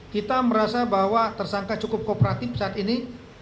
kita merasa bahwa tersangka cukup kooperatif saat ini